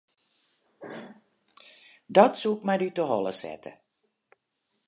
Dat soe ik mar út 'e holle sette.